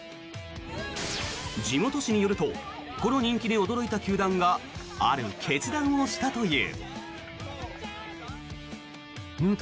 地元紙によるとこの人気に驚いた球団がある決断をしたという。